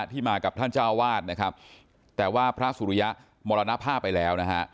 ที่มากับท่านเจ้าวาดนะครับแต่ว่าพระสุริยะมรณภาพไปแล้วนะฮะ